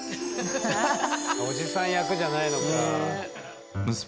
おじさん役じゃないのか。